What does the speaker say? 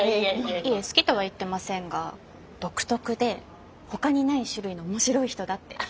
いえ好きとは言ってませんが独特でほかにない種類の面白い人だって。